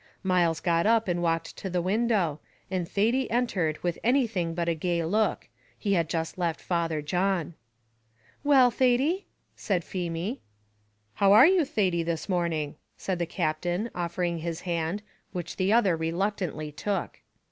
Myles got up and walked to the window, and Thady entered with anything but a gay look; he had just left Father John. "Well, Thady?" said Feemy. "How are you, Thady, this morning?" said the Captain, offering his hand, which the other reluctantly took.